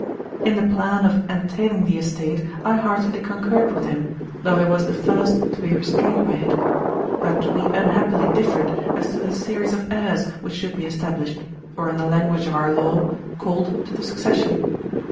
In the plan of entailing the estate, I heartily concurred with him, though I was the first to be restrained by it; but we unhappily differed as to the series of heirs which should be established, or in the language of our law, called to the succession.